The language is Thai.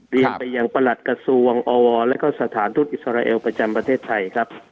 เรียนไปยังประหลัดกระทรวงอวและก็สถานทูตอิสราเอลประจำประเทศไทยครับ